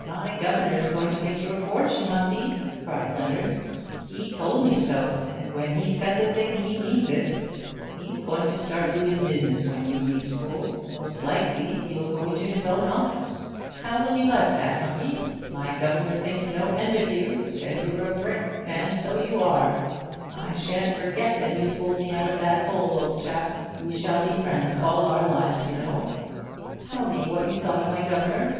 'My governor's going to make your fortune, Humpy!' cried Leonard. 'He told me so, and when he says a thing he means it. He's going to start you in business when you leave school; most likely you'll go into his own office. How will you like that, Humpy? My governor thinks no end of you; says you're a brick, and so you are. I shan't forget that you pulled me out of that hole, old chap. We shall be friends all our lives, you know. Tell me what you thought of my governor?'